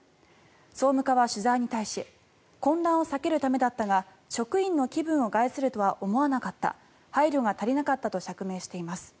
総務課は取材に対し混乱を避けるためだったが職員の気分を害するとは思わなかった配慮が足りなかったと釈明しています。